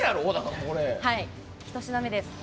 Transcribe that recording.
１品目です。